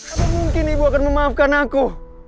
apa mungkin ibu akan memaafkan aku